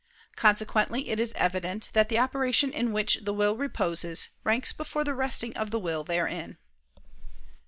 Consequently it is evident that the operation in which the will reposes ranks before the resting of the will therein.